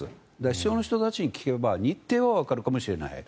秘書の人たちに聞けば日程はわかるかもしれない。